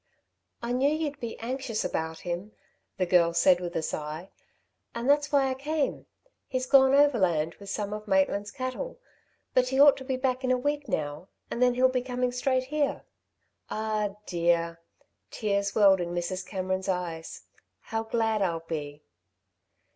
"I knew you'd be anxious about him," the girl said with a sigh, "and that's why I came. He's gone overland with some of Maitland's cattle; but he ought to be back in a week now, and then he'll be coming straight here." "Ah, dear!" Tears welled in Mrs. Cameron's eyes. "How glad I'll be."